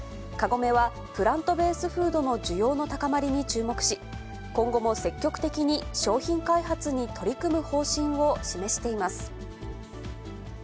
カゴメは、プラントベースフードの需要の高まりに注目し、今後も積極的に商品開発に取り組む方針を示しています。